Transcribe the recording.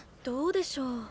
どうでしょう？